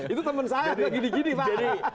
itu temen saya gini gini pak